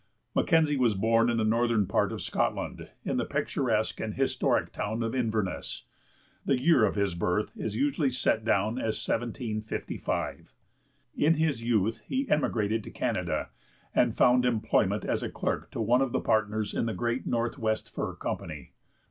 Mackenzie was born in the northern part of Scotland, in the picturesque and historic town of Inverness. The year of his birth is usually set down as 1755. In his youth he emigrated to Canada, and found employment as a clerk to one of the partners in the great Northwest Fur Company.